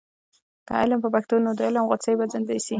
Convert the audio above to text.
که علم په پښتو وي، نو د علم غوڅۍ به زندې سي.